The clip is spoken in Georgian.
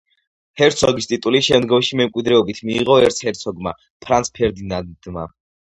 ჰერცოგის ტიტული შემდგომში მემკვიდრეობით მიიღო ერცჰერცოგმა ფრანც ფერდინანდმა.